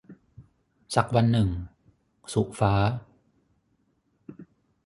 สักวันหนึ่ง - สุฟ้า